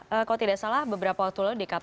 kalau tidak salah beberapa waktu lalu di kpk